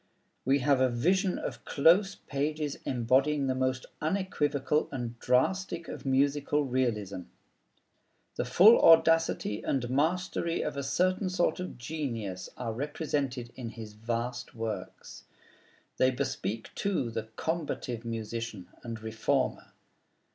We have a vision of close pages embodying the most unequivocal and drastic of musical "realism." The full audacity and mastery of a certain sort of genius are represented in his vast works. They bespeak, too, the combative musician and reformer.